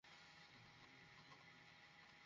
Popcorn, পপকর্নের জন্যও এত দীর্ঘ লাইন।